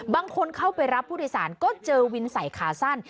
บางคนเข้าไปรับผู้โดยสารก็เจอวินใส่ขาสั้น